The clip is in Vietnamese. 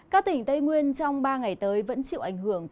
các tỉnh tây nguyên trong ba ngày tới vẫn chịu ảnh hưởng